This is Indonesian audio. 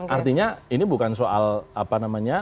artinya ini bukan soal apa namanya